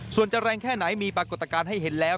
ส่วนจะแรงแค่ไหนมีปรากฏการณ์ให้เห็นแล้ว